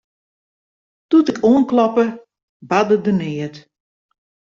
Doe't ik oankloppe, barde der neat.